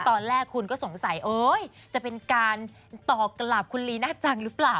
ตอนแรกคุณก็สงสัยจะเป็นการตอบกลับคุณลีน่าจังหรือเปล่า